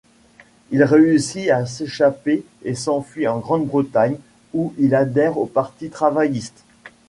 Il réussit à s'échapper et s'enfuit en Grande-Bretagne où il adhère au Parti travailliste.